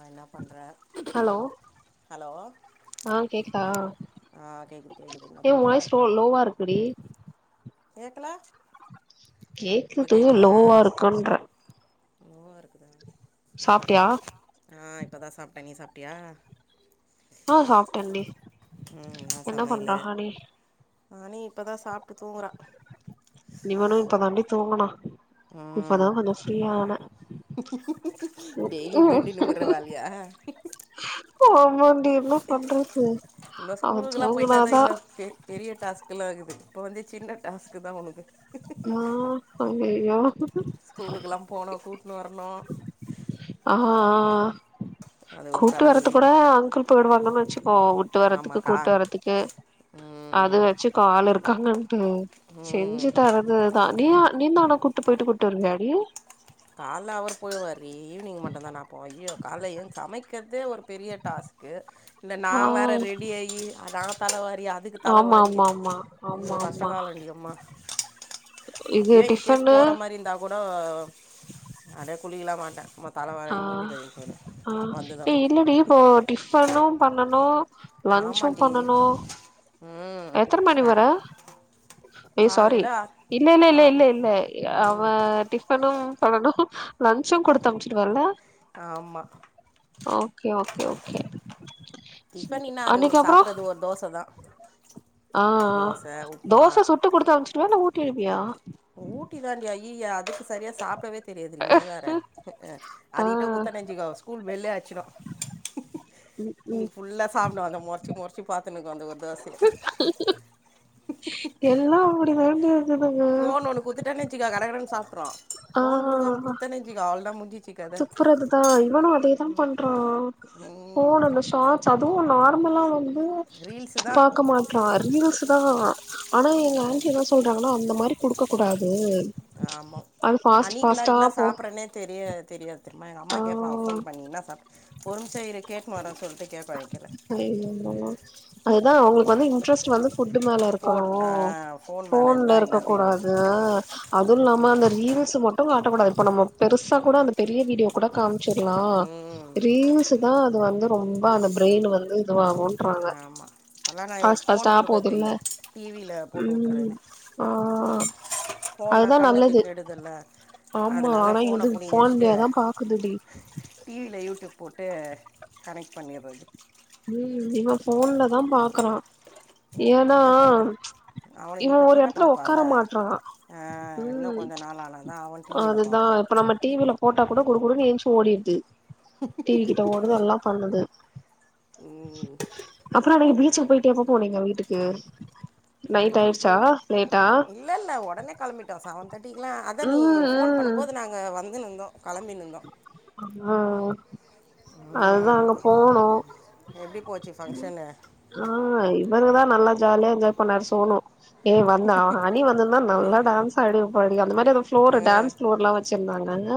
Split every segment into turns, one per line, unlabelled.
அ என்ன பண்ற
hello
hello
ஆ கேக்குதா
அஹ் கேக்குது கேக்குது என்ன
ஏ உன்
பண்ற
வாய்ஸ் லோ லோவா இருக்குடி
கேக்கல இப்ப
கேக்குது
கேக்குதா
லோவா இருக்குன்றே
லோவா இருக்குதா
சாப்ட்டியா
ஆ இப்பதா சாப்ட்டே நீ சாப்ட்டியா
ஆ சாப்ட்டேண்டி என்ன பண்ற ஹனி
ஹனி இப்பதா சாப்ட்டு தூங்குறா
இவனு இப்பதாண்டி தூங்குனா இப்பதா கொஞ்சோ ஃப்ரீயானே
டெய்லியு பெண்டு நும்முற வேலியா
ஆமாண்டி என்ன
சேய்
பண்றது
இன்னு
அவ
ஸ்கூலுக்ல்லா போய்ட்டாதா
தூங்குனாதா
இன்னுருக்கு பெரிய டாஸ்கெலா இர்க்குது இப்போ வந்து சின்ன டாஸ்கு தா உனக்கு
ஆஹ் அய்யய்யோ
ஸ்கூலுக்குல்லா போனு கூட்ன்னு வரணு
ஆஹ்
அது ஒரு
கூட்டு வர்றது
தலவலி
கூட அங்கிள் போய்டுவாங்கனு வச்சுக்கோ உட்டு வரதுக்கு
ஆமாக்கா
கூட்டு வரதுக்கு
ம்
அதுவாச்சு இப்ப ஆல் இருக்காங்கன்ட்டு செஞ்சு
ம்
தரதுதாண்டி நீ தா அவன கூட்டு போய்ட்டு கூட்டு வருவியாடி
கால்ல அவரு போயிருவார்ரி ஈவ்னிங் மட்டுதா நா போவே ஐயோ கால்ல ஏன்ச்சு சமைக்கிறதே ஒரு பெரிய டாஸ்க் கு இல்ல நா வேற
ஆ
ரெடி ஆகி நா தலவாரி அத் அதுக்கு
ஆமா
தலவாரி
ஆமா ஆமா ஆமா
ஐயோ கஷ்ட
ஆமா
காலண்டி யம்மா
இது
அப்டியே இன்கேஸ்
டிஃபனு
போற மாரி இருந்தா கூட அப்டியே குலிக்கல்லா மாட்டே மொத்
ஆ
தலவரி மூஞ்சு கழுவி போய்ருவே
ஆ
வந்து தா
ஏ
குளிக்கனு
இல்லடி இப்போ டிஃபனு பண்ணனு லன்ச்சு
ஆமாண்டி
பண்ணனு
உம்
எத்தன மணி வர
ஸ்நாக்
ஏ சாரி
காலையில்
இல்ல இல்ல
ஆறு
இல்ல இல்ல அவ
ம்
டிஃப் பனும் பண்ணனு லன்சும் கொடுத்து அம்ச்சுருவல
ஆமா
ஓகே ஓகே ஓகே
டிஃபனின்னா அது ஒரு
அன்னைக்கு அப்றோ
சாப்புடுறது ஒரு தோச தா
ஆ ஆ தோச சுட்டு குடுத்து அமுச்சிடுவியா இல்ல ஊட்டி உடுவியா
ஊட்டி தாண்டி அய்யய்ய அதுக்கு சரியா சாப்டவே தெரியாதுடி நீ வேர
ஆ
அது கிட்ட குத்தோனு வச்சுகோ ஸ்கூல் பெள்ளே அட்ச்சிடு
ம் ம்
இன்னிக் ஃபுல்லா சாப்டு அத மொறச்சி மொறச் சு பாத்துனு இருக்கு அந்த ஒரு தோசைய
எல்லா அப்டி தான்டி
ஃபோன் ஒன்னு குத்துட்டேனு வச்சுக்காே கட கடனு சாப்ட்று
ஆ
ஃபோன் கொடுக்காம குத்தன்னு வச்சிக்கா அவள தா முஞ்சிச்சு கத
துப்புறதுதா இவனு அதேதா பண்றா
ம்
ஃபோனல்ல சாட் ஸ் அதுவு நார்மலா வந்
ரீல்ஸு தா
பாக்க மாட்றா ரீல்ஸ் தா ஆனா எங்க ஆன்டி என்ன சொல்றாங்கனா அந்த மாரி குடுக்க கூடாது
ஆமா
அது ஃபாஸ்ட்
அணிக்கெல்லா
ஃபாஸ்ட்டா
என்ன
போ
சாப்பறேனே தெரிய தெரியாது திரும்ம எங்க அம்மா
ஆ
கேப்பாங் ஃபோன் பண்ணி என்ன சாப்ட் ஒருமிசம் இரு கேட்னு வரனு சொல்டு கேப்பா எங்கின்ன
அதுதான் அவங்ளுக்கு வந்து இன்ட்ரெஸ்ட் வந்து ஃபுட்டு மேல இருக்கணு
ஃபோன் ஆ ஃபோன் மேல
ஃபோன்ல
இருந்தா
இருக்க
என்ன தெரியு
கூடாது அதுவு இல்லாம அந்த ரீல்ஸ் ம ட்டும் காட்டக்கூடாது இப்ப நம்ம பெருசா கூட அந்த பெரிய வீடியோ கூட காமிச்சிற்லா
ம்
ரீல்ஸ் அதுதா அது வந்து ரொம்ப அந்த பிரெயின் வந்து இதுவாகுன்றாங்க
ஆமா இப்பல்லாம் நான்
ஃபாஸ்ட்
இவளுக்கு
ஃபாஸ்ட்டா
ஃபோன் குடுக்கறது
போதுல்ல
இல்ல டிவில போட்டு
உம்
வுட்டுறது
ஆம்
ஃபோன்னா
அதுதா
கண்ணுக்கு
நல்லது
கெடுதல்ல
ஆம்மா
அதனால
ஆனா
ஃபோன
இது
புடிங்கி
ஃபோன்லைய தா பாக்குதுடி
டி வி யில யூடியூப் போட்டு கனெக்ட் பண்ணிறது
ம் இவ ஃபோன்ல தா பாக்கறா ஏன்னா
என்ன பண்றது
இவ ஒரு எடத்துல ஒக்கார மாட்றா
அ இன்னோ கொஞ்ச நாள் ஆனா தா அவ டி வில
அதா இப்ப நம்ம டி வி ல போட்டா கூட குடு குடுனு ஏன்ச்சி ஓடிட்து கிட்ட ஓடுது எல்லா பண்ணுது அப்றோ அன்னைக்கு பீச்சுக்கு போயிட்டு எப்ப போனீங்க வீட்டுக்கு நைட்
பீச்சிக்கு
ஆயிடுச்சா
போயிட்டு
லேட்டா
இல்ல இல்ல ஒடனே கிளம்பிட்டோ செவன் தேர்ட்டிக்குல்லா அதா நீ
ம்
ஃபோன்
ம்
பண்ணும்போது நாங்க வந்துனுந்தோ களம்பின்னுந்தோ
அ அ அதா
ம்
அங்க போனோ
எப்டி போச்சு ஃபங்க்ஷனு
ஆ இவங்கதா நல்லா ஜாலியா என்ஜாய் பண்ணாரு சோனோ ஏ வந்தா அனி வந்துந்தா நல்லா டான்ஸ் ஆடிருப்பாடி அந்த மாரி எதா ஃப்ளோரு
ம்
டான்ஸ் ஃப்ளோர் வச் சிருந்தாங்க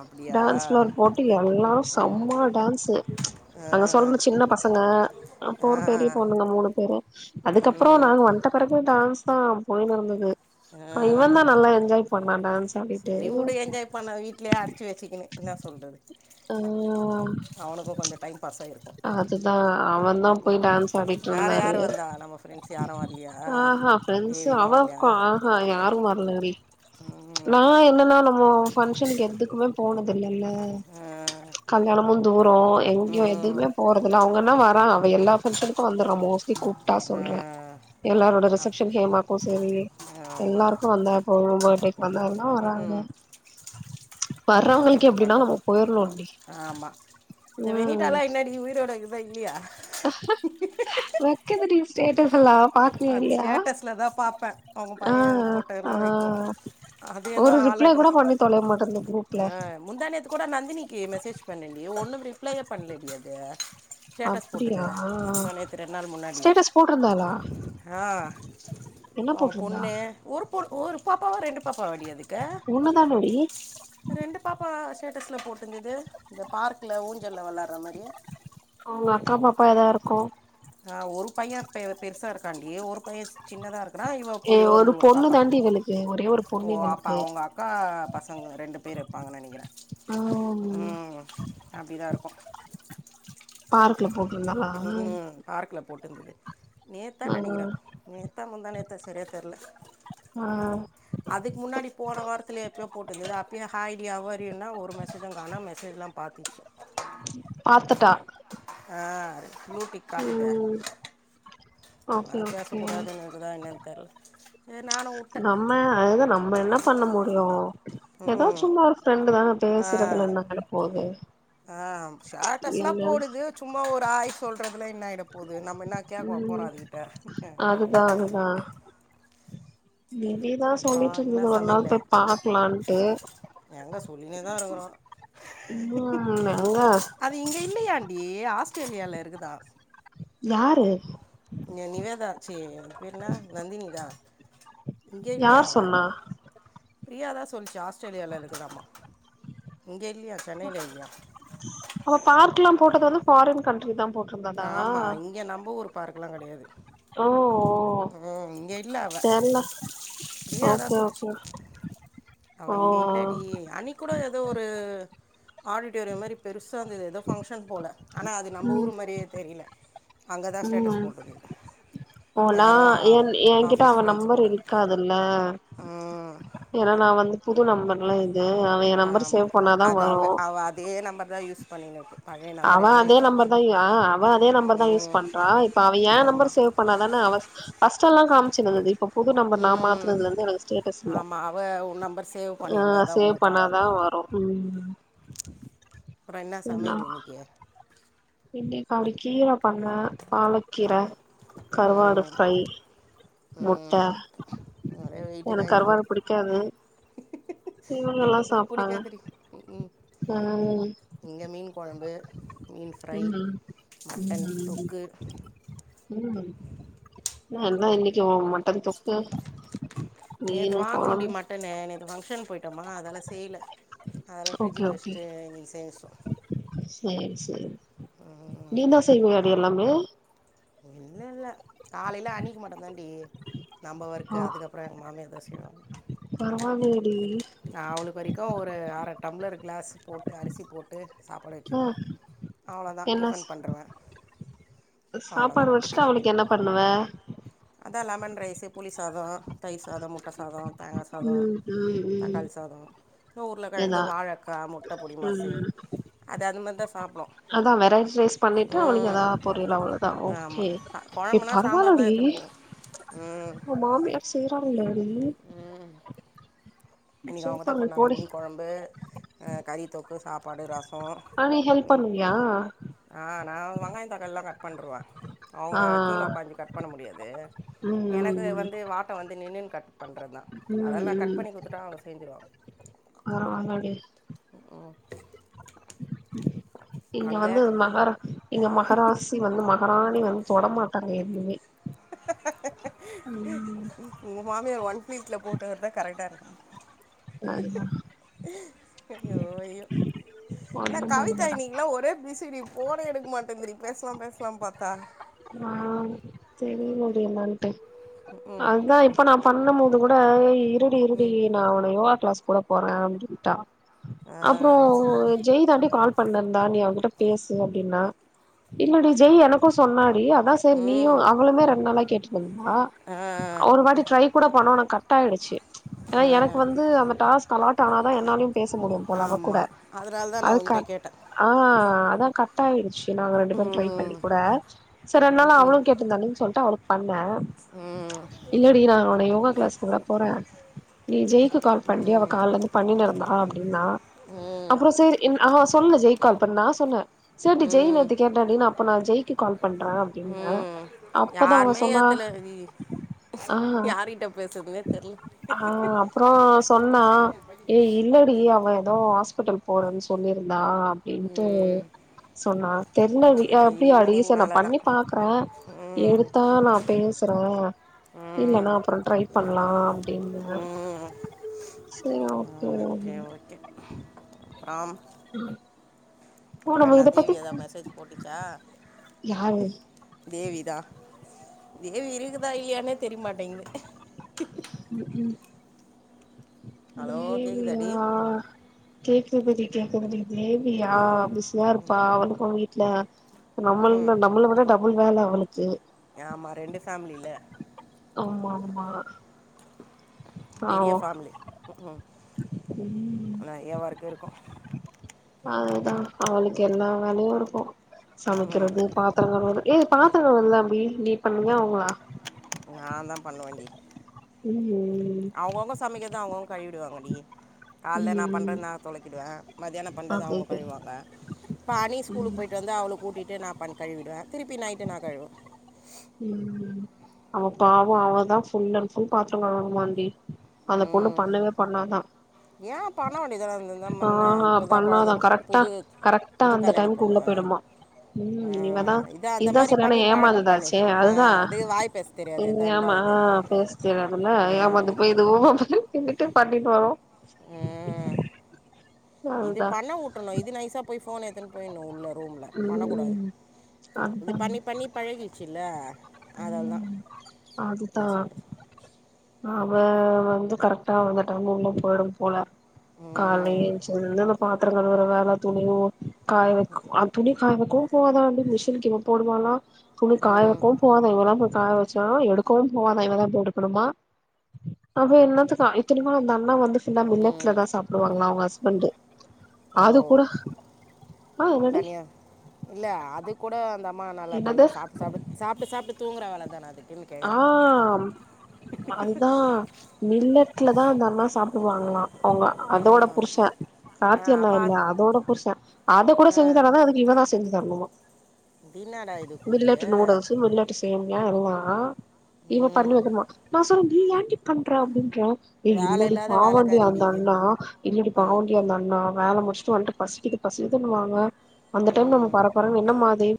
அப்டியா
டான்ஸ் ஃப்ளோர் போட்டு எல்லா செம்ம டான்ஸ்ஸு
ஆ
அங்க சொல்ன ஜின்ன பச ங்க அப்ப
ஆ
ஒரு பெரிய பொண்ணுங்க மூணு பேரு அதுக்கப்றோ
ம்
நாங்க வந்ட்ட பெறகு டான்ஸ் தா போயினுருந்தது
அ
டான்ஸ் ஆடிட்டு
சரி உடு என்ஜாய் பண்ண வீட்லயே அடச்சு வச்சுக்கினு இன்ன சொல்றது
ஆ
அவனுக்கோ கொஞ்ச டைம் பாஸ்சா இருக்கோ
அதுதா அவன் தா
ம் ம்
போய் டான்ஸ் ஆடிட்டு
வேற
இருந்தாரு
யாரு வந்தா நம்ம ஃப்ரெண்ட்ஸ் யாரோ வர்லியா தேவிலா வர்லியா
அ யாரு வர்லடி நா என்னன்னா நம்மோ ஃபங்க்ஷனுக்கு எதுக்குமே போனதுல்லல
அ
கல்யாணமோ தூரோ எங்யோ எதுக் துமே போறதுல்ல அவுங்கனா வரா அவ எல்லா ஃபங்க்ஷனுக்கு வந்துட்றா மோஸ்ட்லி கூப்ட்டா
ஆ
சொல்ற எல்லாரோட
அப்
ரிசப்ஷன்க்கு ஹேமாக்கோ சரி
ஆமாம்
எல்லாருக்கோ வந்தா இப்ப ஒ படே வந்தாருந்தா
ம்
வராங்க
ம்
வர்றவங்களுக்கு
என்ன
எப்டின்னா நம்ம
பண்றதுப் போ
போயிரணுண்டி
ஆமா இந்த
ம்
வெனீட்டார்லா இன்னடி உயிரோட இக்தா இல்லியா
வெக்குது டி ஸ்டேட்டஸ்ல்லா
அது ஸ்டேட்டஸ்ல தா பாப்ப அவுங்க
ஆ
பைய ஃபோட்டோ
ஆ
எல்லா வெக்கோ அது எதோ
ஒரு
ஆள்
ரிப்ளை கூட
அட்ரஸ்
பண்ணி தொலைய மாட்டேன்து குரூப்ல
அ முந்தானேத்து கூட நந்தினிக்கு மெசேஜ் பண்ணண்டி ஒன்னு ரிப்ளையே பண்ணல டி அது ஸ்டேட்டஸ்
அப்டியா
போட்டுக்கிற முந்தா நேத்து ரெண் நாள் முன்னாடி
ஸ்டேட்டஸ் போட்ருந்தாளா
ஆ
என்ன
அவுங்க
போட்ருந்தா
பொண்ணு ஒரு பொ ஒரு பாப்பாவா ரெண்டு பாப்பாவா டி அதுக்
ஒன்னு தான மௌடி
ரெண்டு பாப்பா வ ஸ்டேட்டஸ்ல போட்டுந்தது இந்த பார்க்ல ஊஞ்சல்ல வெள்ளார மாரி
அவுங்க அக்கா பாப்பா எதா இருக்கு
அ ஒரு பைய பெ பெருசா இருக்காண்டி ஒரு பைய சின்னதா இருக்குனா இவ
ஏ
புயோ
ஒரு
இந்த ஊரோ
பொண்ணு
பாப்பா
தாண்டி இவளுக்கு ஒரே ஒரு பொண்ணு
ஓ அப்ப
இவளுக்கு
அவுங்க அக் கா பசங்க ரெண்டு பேர் இருப்பாங்கன்னு நெனைக்கிற
ஆ
ம் அப்டிதா இருக்கு
பார்க்ல போட்ருந்தாளா
பார்க்ல போட்டுந்துது நேத்தா
ஆ
நெனைக்கிற நேத்தா முந்தானேத்து சரியா தெர்ல
ஆ
அதுக் முன்னாடி போன வாரத்துல எப்யோ போட்டுருந்த அப்யே ஹாய் டி ஹவ் ஆர் யுனா ஒரு மெ சேஜ கானும் மெசேஜ்ல்லா பாத்தி
பாத்துட்டா
ஆ ளூடிக் காட்டுத
ம் ஓகே
ஆ
ஓகே
பேசக் கூடாதுங்க க்குதா என்னன் தெர்ல
நம்ம அது நம்ம என்னா பண்ண முடியு
ம்
எதா
ம்
சும்மா ஒரு ஃப்ரெண்டு தானப் பேசுறதுல
ஆ
என்ன நல்லப் போவ்தே
ஆ ஷட்டஸ்லா போடுது சும்மா ஒரு ஆய் சொல்றதுல என்ன ஆய்ட போவ்து நம்ம இன்ன கேக்வோ போறாதி கிட்ட
நானுதா நிதி தா
அப்புறோ
சொல்லிட்ருந்து
என்ன
ஒர் நாள்
சமையலு
போய் பாக்லாண்டு
எங்க சொல்லினேதா இருக்றோ
ம் மெங்கா
அது இங்க இல்லியாண்டி ஆஸ்ட்ரேலியால இருக்குதா
யாரு
இன்ன நிவேதா ஆச்சி பெரு இன்னா நந்தினி தா
யார் சொன்னா
ப்ரியா தா சொல்ச்சி ஆஸ்ட்ரேலியால இருங்குதாமா இங்கே இல்லியா சென்னைல இல்லியா
அங்க பார்க்லா போட்டது வந்து ஃபாரின் கண்ட்ரி தா போட்
ஆமா இங்க நம்ப ஊர் பார்க்லா கெடையாது
ஓ ஓ
அ இங்க இல்ல அவ
தெர்ல
ப்ரியா தா
ஓகே
சொல்ச்சி
ஓகே
அவ
ஓ
இங்க இல்லடி அன்னிக்கூடோ எதோ ஒரு ஆடிட்டேர்ய மாரி பெருசாந்தது எதோ ஃபங்க்ஷன் போல ஆனா அது நம்ப
ம்
ஊரு மாரியே தெரில அங்க தா ஸ்டேட்டஸ்
ம்
போட்டுந்து
ஓ நா
யாரோ ஆஃபீஸ் ஃபிரெண்ட்ஸு கூட
லா
ம்
ஏனா நா வந்து புது நம்பர்லா இது அவ என் நம்பர்
ஆமா
சேவ் பண்ணாதா
அது
வரு
அவ்வ அவ அதே நம்பர் தா யூஸ் பண்ணினுக்கு
அவா அதே நம்பர் தா ய் ஆ அவா அதே நம்பர் தா யூஸ்
ம்
பண்றா இப்ப அவ ஏ
ஆமா
நம்பரு சேவ் பண்ணாதான அவஸ் ஃபர்ஸ்ட் எல்லா காமிச்சிருந்தது இப்ப புது நம்பர் நா
ம்
மாத்துன இதுலந்து எனக்கு ஸ்டேட்
ஆமா அவ உன் நம்பர் சேவ்
ஆ
பண்ணியிர்ந்தாதா
சேவ்
உனக்
பண்ணாதா வரு
அப்ற என்னா சமயல் இன்னிக்கி
இன்னைகா ஒரு கீர பண்ண பாலக்கீர
ம்
கருவாடு
ம்
ஃப்ரை முட்ட
ம் ஒரே வெயிட்டு
எனக் கருவாடு புடிக்காது
எனக்கூட
சாப்ட்டாங்க
புடிக்காதுடி ம் ம்
ம்
இங்க மீன் கொழம்பு மீன் ஃப்ரை
ம்
மட்டன்
ம் ம்
தொக்கு
ம் ந தா இன்னிக்கி ஒ மட்
நேத்து
மீனு கொழம்பு
வாங்ணோடி மட் டனு நேத்து ஃபங்க்ஷன் போய்ட்டோமா அதால செய்ல அதலா
ஓகே
ஃப்ரிஜ்ஜில
ஓகே
வச்ட்டு இன்னிக் செஞ்சோ
சேரி சேர் நீ தா செய்வியாடி எல்லாமே
இல்லல்ல காலைல அனிக் மட்டுதாண்டி நம்ப ஒர்க்கு அதுக்கப்றோ எங் மாம்யாதா செய்வாங்
பரவால்லியேடி
அவ்ளுக் வரிக்கு ஒரு அர டம்ளரு கிளாஸ் போட்டு அரிசி போட்டு சாப்பாடு
ஆ
வெச்சுருவே அவ்ளோதா
என்ன
டிஃபன் பண்ருவே
சாப்பாடு வச்ட்டு அவ்ளுக் என்ன பண்ணுவ
அதா லெமன் ரைஸ்சு புளி சாதோ தயிர் சாதோ முட்டை சாதோ தேங்கா சாதோ
ம் ம் ம்
தக்காளி சாதோ உருளக்கிழங்கு
ஏதா
வாழக்கா முட்ட பொடிமாசு
ம்
அது அதுமரி தா சாப்டு
அதா வெரைட்டி ரைஸ் பண்ணிட்டு அவளுக்கு எதா பொரியல் அவ்ளதா ஓகே
ஆமாம்
ஏ
குழம்புனா சாம்பார் தான்
பரவாயில்லடி இ
எடுத்துன்னு போவோம் ம்
உ மாமியார் செய்றாங்லடி
இன்னிக்கி அவங்க தா
சூப்பர்டி
பண்ணாங்க
போடி
மீன் கொழம்பு அ கறித்தொக்கு சாப்பாடு ர
அ நீ ஹெல்ப் பண்ணுவியா
ஆ நா வெங்காய தக்காள்லா கட் பண்ருவே அவுங்க
ஆ
கீழ உக்காந்து கட் பண்ண முடியாது
ம்
எனக்கு
ம்
வந்து வா ட்ட வந்து நின்னுன் கட் பண்றனா
ம்
அதெல்லா நா
ம்
கட்
ம்
பண்ணி கு த்துட்டா அவங்க செஞ்சிருவாங்
பரவால்லடி
ம்
இங்க வந்து மகர இங்க மகராசி வந்து மகராணி வந்து தொட மாட்டாங்க எதுமே ம்
உங்க மாமியார் ஒன் ஃபீட்ல போட்டா தா கரெக்டா இருக்கு
அதுங்க
ஐயோ ஐயோ என்னா
ஒன்னும் பண்ண
கவிதா
மாட்டாங்க
இன்னிக்லா ஒரே பிசிடி போனே எடுக் மாட்டேந்திடி பேசலா பேசலா பார்த்தா
ஆ செரி முடி மான்ட்டு
ம்
அத்தா இப்ப நா பண்ணும் போது கூட ஏய் இருடி இருடி நா உன யோகா கிளாஸ் கூட போற அப்டின்ட்டா அப்றோ
ஆ
ஜெய் தாண்டி கால் பண்ணுருந்தா நீ அவகிட்ட பேசு அப்டின்னா இல்லடி ஜெய் எனக்கு சொன்னா டி அதா சேர் நீயு
ம்
அவளுமே ரெண்டு நாளா கேட்டுட் வந்தா
ஆ
ஒரு வாட்டி ட்ரை கூட பண்ணோ ஆனா கட் ஆயிடுச்சு அ
ஆ
எனக்கு வந்து அந்த டாஸ் காலாடானா தா என்னாலையு பேச முடியும் போல அவ கூட
ஆமா அதனால தான் நான்
அதுக்க
உன்கிட்ட கேட்டேன்
ஆ அதா கட் ஆயிடுச்சு நாங்க ரெண்டு பேரு ட்ரை
ம்
பண்ணி கூட சேர் ரெண்ட் நாளா
ம்
அவளு கே ட்டுருந்தாலேன் சொல்ட்டு அவளுக் பண்ணே இல்லடி நா உனை யோகா கிளாஸ்க்குல்ல போற நீ ஜெய்க்கு கால் பண்டி அவ கால்லந்து பண்ணினு இருந்தா அப்டின்னா
ம் ம்
அப்புறோ செரி என் ஆ சொல்லு ஜெய் கால் பண்ணா நா சொன்னே சேர்டி ஜெய்
ம்
நேத்து கேட்டான்டி நா அப்ப ஜெய்க்கு கால் பண்ற அப்டின்ன
ம்
அப்பதா அவன்
யாருமே
சொன்னா
ஏத்தல இது
ஆ
யார்கிட்ட பேசுறதுனே தெரில
ஆ அப்புறம் சொன்னா ஏ இல்ல டி அவ எதோ ஹாஸ்பிட்டல் போறன்னு சொல்லியிருந்தா அப்டின்ட்டு
ம்
சொன்னா தெர்லடி ஏ
அது
அப்டியாடி
ஈவினிங்
சரி நா
மேல தான்
பாக்கற எடுத்தா நா பேசறன் இல்லனா அப்புறம் ட்ரை பண்ணலா அப்டின்னுந்த செரி ஓகே
ஏ ஓகே அப்புறம்
ம்
அப்புறம் என்ன தேவி எதா மெசேஜி போட்டுச்சா
யாரு
தேவிதா தேவி இருக்குதா இல்லயானே தெரியமாட்டேங்கிது
ம் க்கு
ஹலோ கேக்குதாடி
தேவியா கேக்குதிடி கேக்குதிடி தேவியா அவ பிசியா இருப்பா அவளுக்கும் வீட்ல நம்மள்ள நம்மள விட டபுள் வேல அவளுக்கு
ஆமா ரெண்டு ஃபேமிலி இல்ல
ஆமா ஆமா
பெரிய
பாவோ
ஃபாமிலி ம்
ம்
க்கு நறையா ஒர்க்கு இருக்கும்
அதுதா அவளுக்கு எல்லா வேலையும் இருக்கும்
ம்,
சமைக்கிறது பா தங்கமயிலு ஏ இது பாத்தாங்கலாம் இல்ல அபி நீ பண்ணீங்க அவங்களா
நாந்தான் பண்ணுவன்டி
ம்
அவுங்கவுங்க சமைக்கறத அவுங்கவங்க கழிவிடுவாங்கடி கால்ல நா
ம்
பண்றன்னா தொலக்கிடுவே மதியானம் பண்றத
ஓகே
அவுங்க
ஓகே
கழுவாங்க பாணி ஸ்கூலுக்
ம்
போயிட்டு வந்து அவள கூட்டிட்டு நா பா கழுவிடுவன் திருப்பி நைட்டு நான கழுவ
ம் அவ பாவம் அவதான் ஃபுல் அண்ட் ஃபுல் பாத்திரம் கழுவுனுமாண்டி அந்த பொண்ணு
ம்
பண்ணவே பண்ணாதா
ஏன் பண்ண வேண்டியதானே இந்த
ஆ
பண்ண இப்போ தான் குழந்த
பண்ணாதா கரட்டா
புது
கரக்ட்டா
புது
அந்த
கல்யாண
டைம்க்கு உள்ள
பொண்ணா
போயி்டுமா
ஆ,
ம் இவதான்
இது அந்த
இதா
மாதிரி
சரியானா
பண்ணி பழக்க பண்ணுது
ஏமாந்ததாச்சே
ஆ,
அதுதான்
அது வாய் பேச
ஏ
தெரியாது
ஆமா
தண்டம் இது
ஆ பேசுச்சி நடுவுல
ம்,
ஏமாந்து போயி இதுவும் திண்ணுட்டு பண்ணிட்டு வரும்
ஆ இது
அதுதா
பண்ண உ ட்டறனு இது நைசா போய் ஃபோன எத்துன்னு போயினும் உள்ள ரூம்ல பண்ணக்கூடாது
ம்
இது
அதுதா
பண்ணி பண்ணி பழகிச்சி இல்ல
ம் அதுதா
சொல்கிறேன்
அவ வந்து கரெக்ட்டா அந்த டைம் உள்ள போயிடும் போல கால்ல
ம்
ஏன்ச்சிதுலிருந்து அந்த பாத்திரம் கழுவுற வேல துணி ஊ காய வக்கும் ஆ துணி காய வக்கவும் போவாதா அந்த மிஷின்க்கு இவ போடுவாலா துணி காய
ம்
வக்கவும் அவ தா போய் காய வச்சாம் எடுக்கவும் போவாதா இவதா போயி எடுக்கணுமா அவ என்னாத்துக்கா இத்தனைக்கும் அந்த அண்ணா வந்து ஃபுல்லா மில்லட்ல
ம்
தா சாப்டுவாங்களா அவுங்க ஹஸ்பண்டு அது
ஓ
கூட ஆ என்னடி
இல்ல அது கூட அந்த அம்மானால
என்னது
பண்ண சாப்ட்டு சாப்ட்டு சாப்ட்டு சாப்ட்டு தூங்கற வேல தானா அதுக்
ஆ அதுதான் மில்லட்ல தா அந்த அண்ணா சாப்டுவாங்கலா அவங்க அதோட
ம்
புருஷன்
ஆ
கார்த்தி அண்ணா
அப்பா
இல்ல
அது
அதோட புருஷன் அத கூட
ஆ
செஞ்சி தராதா அதுக் நீங்க தா செஞ்சு தரணுமா
தின்னாடா இது கூத்து
மில்லட்டு நூடுல்சும் மில்லட் ட்டு சேம்யா எல்லா இவ பண்ணி
ம்
வக்கமா நா சொல் நீ ஏண்டி பண்ற அப்டின்ற ஏ
வேலை
இல்லடி
இல்லாத
பாவோண்டி அந்த
வேலைக்காரிடி இது
அண்ணா இல்லடி
ம்
பாவோண்டி அந்த அண்ணா வேல முடிச்சுட்டு வன்ட்டு பசிக்கிது பசிக்கிதுனுவாங்க அந்த டைம் நம்ம
ம்
பற பறன் என்னமா அது